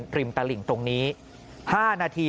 ตลิ่งตรงนี้๕นาที